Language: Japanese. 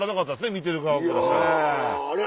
見てる側からしたら。